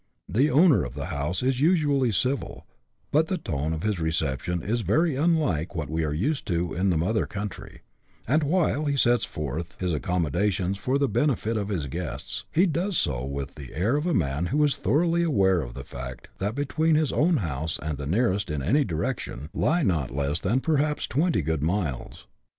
The owner of the house is usually civil, but the tone of his reception is very unlike what we are used to in the mother country ; and, while he sets forth his accommodations for the benefit of his guests, he does so with the air of a man who is thoroughly aware of the fact that between his own house and the nearest in any direction lie not less than perhaps twenty good miles.